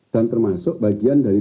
dan termasuk bagian dari